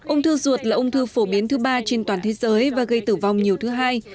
ung thư ruột là ung thư phổ biến thứ ba trên toàn thế giới và gây tử vong nhiều thứ hai